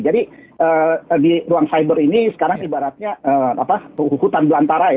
jadi di ruang cyber ini sekarang ibaratnya hutan belantara ya